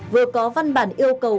vừa có văn bản yêu cầu